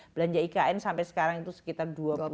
belanja ikn sampai sekarang itu sekitar